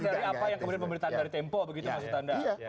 karena dari apa yang kemudian memberi tanda di tempo begitu mas yutanda